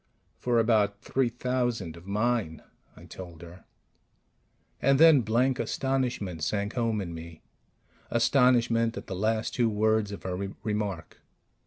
"For about three thousand of mine," I told her. And then blank astonishment sank home in me astonishment at the last two words of her remark.